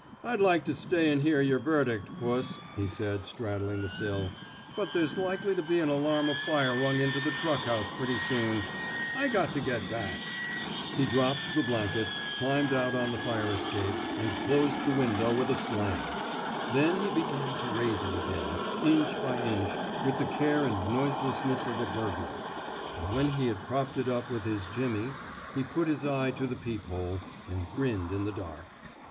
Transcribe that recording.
I'd like to stay an' hear yer verdict, puss," he said, straddling the sill, but there's likely to be an alarm of fire rung into the truck house pretty soon. I got to get back." 84 ON CIECUMSTANTIAL EVIDENCE He dropped the blanket, climbed out on the fire escape, and closed the window with a slam. Then he began to raise it again, inch by inch, with the care and noiseless ness of a burglar; and when he had propped it up with his jimmy, '^ he put his eye to the peep hole, and grinned in the dark.